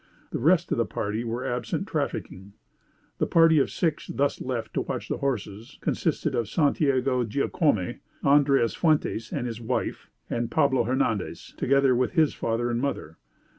The rest of the party were absent trafficking. The party of six thus left to watch the horses, consisted of Santiago Giacome, Andreas Fuentes and wife, and Pablo Hernandez, together with his father and mother.